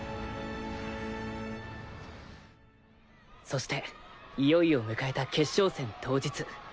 そしていよいよ迎えた決勝戦当日。